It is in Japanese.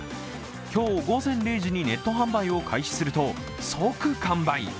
今日午前０時にネット販売を開始すると、即完売。